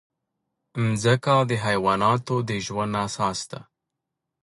مځکه د حیواناتو د ژوند اساس ده.